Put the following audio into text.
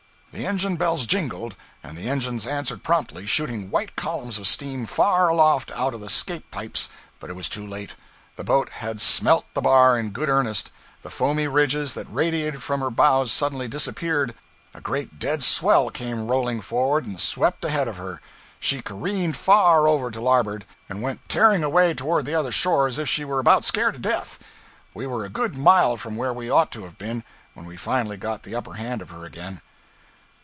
The engine bells jingled and the engines answered promptly, shooting white columns of steam far aloft out of the 'scape pipes, but it was too late. The boat had 'smelt' the bar in good earnest; the foamy ridges that radiated from her bows suddenly disappeared, a great dead swell came rolling forward and swept ahead of her, she careened far over to larboard, and went tearing away toward the other shore as if she were about scared to death. We were a good mile from where we ought to have been, when we finally got the upper hand of her again.